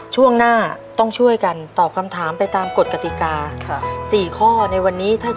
ช่วงหน้าต้องช่วยกันตอบคำถามไปตามกฎกติกา